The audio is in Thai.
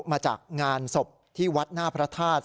มาจากงานศพที่วัดหน้าพระธาตุ